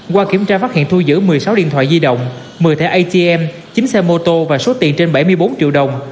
qua kiểm tra phát hiện thu giữ một mươi sáu điện thoại di động một mươi thẻ atm chín xe mô tô và số tiền trên bảy mươi bốn triệu đồng